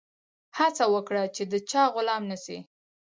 هڅه وکړه د چا غلام نه سي.